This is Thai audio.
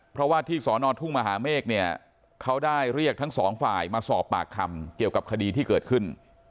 เพราะว่าที่สอนอทุ่งมหาเมฆเนี่ยเขาได้เรียกทั้งสองฝ่ายมาสอบปากคำเกี่ยวกับคดีที่เกิดขึ้น